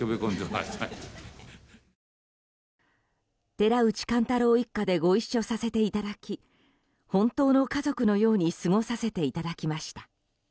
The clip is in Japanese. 「寺内貫太郎一家」でご一緒させていただき本当の家族のように過ごさせていただきました。